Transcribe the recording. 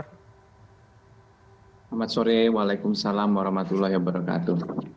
selamat sore waalaikumsalam warahmatullahi wabarakatuh